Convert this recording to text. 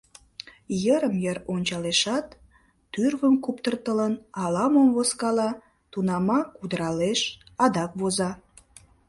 Йырым-йыр ончалешат, тӱрвым куптыртылын, ала-мом возкала, тунамак удыралеш, адак воза.